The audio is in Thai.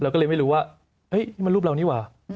เราก็เลยไม่รู้ว่าอ๊ะมันรูปเรานี่หว่า